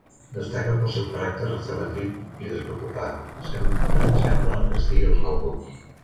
Destaca pel seu caràcter extravertit i despreocupat; sempre sembla que estigui als núvols.